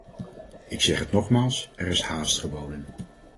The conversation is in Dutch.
Ik zeg het nogmaals: er is haast geboden.